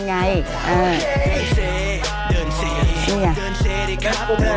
จริงค่ะ